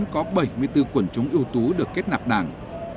có bảy mươi bốn quần chúng ưu tú được kết nạp đảng